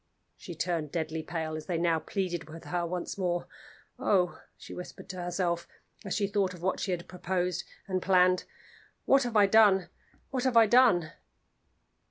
She turned deadly pale as they now pleaded with her once more. "Oh!" she whispered to herself, as she thought of what she had proposed and planned, "what have I done? what have I done?"